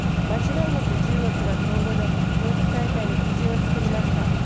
間違いなく中国は今後の冬季大会の基準を作りました。